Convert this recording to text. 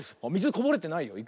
みずこぼれてない。